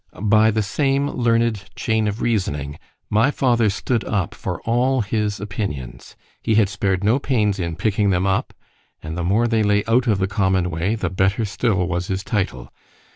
By the same learned chain of reasoning my father stood up for all his opinions; he had spared no pains in picking them up, and the more they lay out of the common way, the better still was his title.